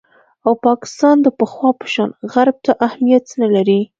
او پاکستان د پخوا په شان غرب ته اهمیت نه لري